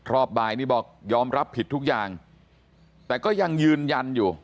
รอบบ่ายนี่บอกยอมรับผิดทุกอย่างแต่ก็ยังยืนยันอยู่